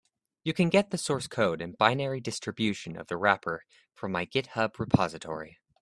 You can get the source code and binary distribution of the wrapper from my github repository.